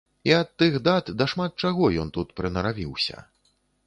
І ад тых дат да шмат чаго ён тут прынаравіўся.